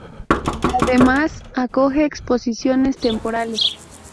Además, acoge exposiciones temporales.